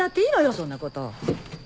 そんなこと。